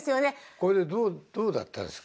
これどうだったんですか？